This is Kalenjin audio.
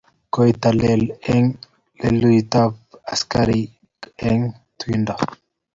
koiteli eng' letutab askarinte eng' tuindo.